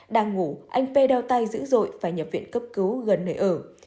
đang ngủ anh p đau tay dữ dội và nhập viện cấp cứu gần nơi ở